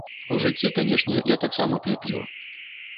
У жыцці, канешне, я таксама п'ю піва.